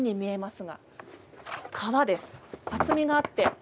厚みがあって。